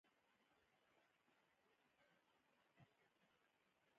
داخلي ژوند یې کوچني لرګین یا خاورین کور پورې محدود و.